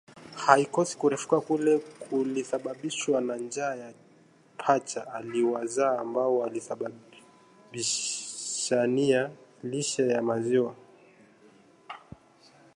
Haikosi kurefuka kule kulisababishwa na njaa ya pacha aliowazaa ambao walibishania lishe ya maziwa